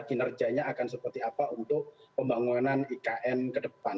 kinerjanya akan seperti apa untuk pembangunan ikn ke depan